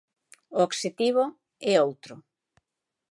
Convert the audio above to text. O obxectivo é outro.